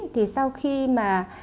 thì sau khi mà